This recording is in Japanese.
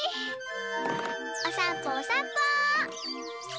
おさんぽおさんぽ！